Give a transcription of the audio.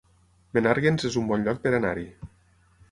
Menàrguens es un bon lloc per anar-hi